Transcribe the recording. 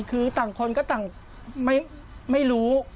คือต่างคนก็ต่างไม่รู้